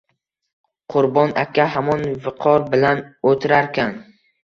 Qurbon aka hamon viqor bilan o‘tirarkan